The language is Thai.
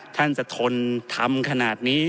ท่านจะทนทำขนาดนี้